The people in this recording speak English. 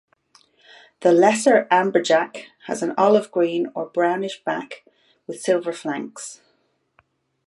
The lesser amberjack has an olive green or brownish back with silver flanks.